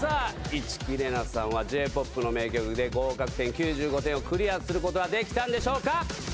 市來玲奈さんは「Ｊ−ＰＯＰ」の名曲で合格点９５点をクリアすることができたんでしょうか？